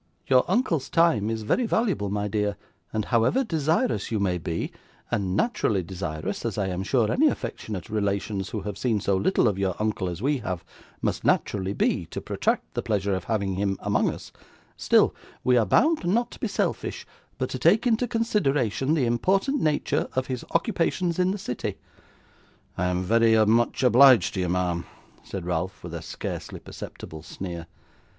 'Your uncle's time is very valuable, my dear; and however desirous you may be and naturally desirous, as I am sure any affectionate relations who have seen so little of your uncle as we have, must naturally be to protract the pleasure of having him among us, still, we are bound not to be selfish, but to take into consideration the important nature of his occupations in the city.' 'I am very much obliged to you, ma'am,' said Ralph with a scarcely perceptible sneer.